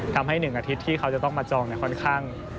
ทำให้๑อาทิตย์ที่เขาจะต้องมาจองค่อนข้าง